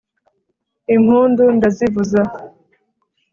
Impundu ndazivuza